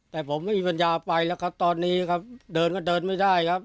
แต่ผมไม่มีปัญญาไปแล้วครับตอนนี้ครับเดินก็เดินไม่ได้ครับ